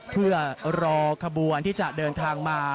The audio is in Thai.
เพื่อรอขบวนที่จะเดินทางมา